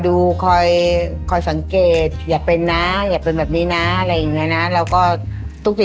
สุดท้ายคือเรื่องที่มันเป็นอดีตมันก็ผ่านไปนะครับ